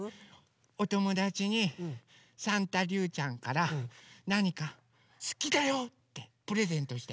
おともだちにサンタりゅうちゃんからなにか「すきだよ！」ってプレゼントして。